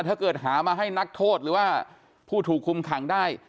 ถ้าเกิดหามาให้นักโทษหรือว่าผู้ถูกคุมขังได้